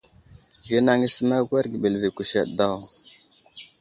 Ghinaŋ i səmar awerge ɓəlvi kuseɗ daw.